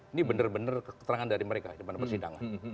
ini benar benar keterangan dari mereka di depan persidangan